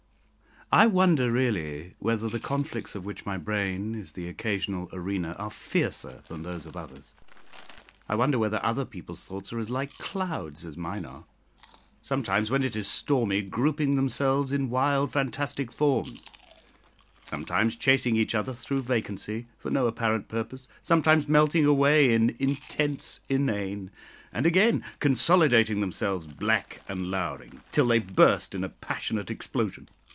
I wonder really whether the conflicts of which my brain is the occasional arena are fiercer than those of others. I wonder whether other people's thoughts are as like clouds as mine are sometimes, when it is stormy, grouping themselves in wild fantastic forms; sometimes chasing each other through vacancy, for no apparent purpose; sometimes melting away in "intense inane;" and again consolidating themselves, black and lowering, till they burst in a passionate explosion.